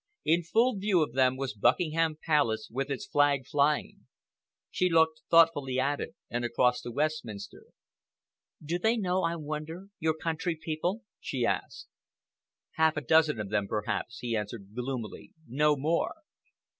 In full view of them was Buckingham Palace with its flag flying. She looked thoughtfully at it and across to Westminster. "Do they know, I wonder, your country people?" she asked. "Half a dozen of them, perhaps," he answered gloomily, no more.